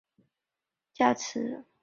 超级碗最有价值球员。